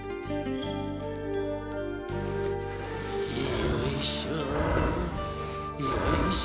「よいしょよいしょ」